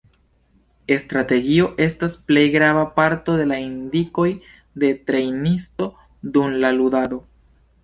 Strategio estas plej grava parto de la indikoj de trejnisto, dum la ludado.